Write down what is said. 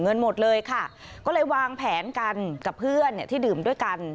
เงินหมดเลยค่ะก็เลยวางแผนกันกับเพื่อนเนี่ยที่ดื่มด้วยกัน